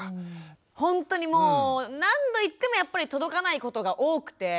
ほんとにもう何度言ってもやっぱり届かないことが多くて。